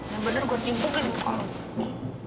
yang bener gue cintu ke dukang